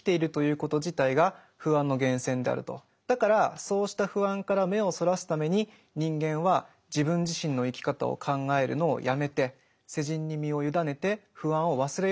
つまりだからそうした不安から目をそらすために人間は自分自身の生き方を考えるのをやめてと彼は言っています。